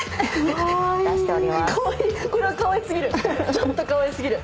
ちょっとかわい過ぎる。